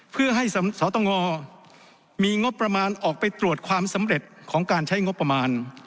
เพื่อให้สตงมีงบประมาณออกไปตรวจความสำเร็จของการใช้งบประมาณ